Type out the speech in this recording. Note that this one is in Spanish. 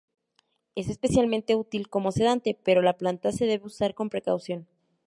Es especialmente útil como sedante, pero la planta se debe usar con precaución.